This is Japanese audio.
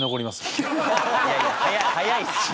いやいや早いです。